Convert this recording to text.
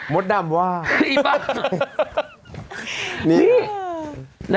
มสดรรมว่า